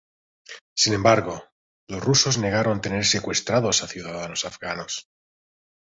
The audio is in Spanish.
Sin embargo, los rusos negaron tener secuestrados a ciudadanos afganos.